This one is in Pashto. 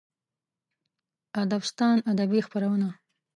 ادبستان ادبي خپرونه